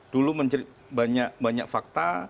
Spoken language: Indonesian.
dulu menceritakan banyak fakta